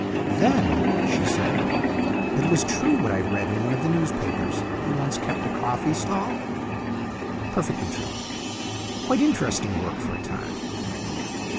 "Then," she said, "it was true what I read in one of the newspapers that you once kept a coffee stall?" "Perfectly true. Quite interesting work for a time."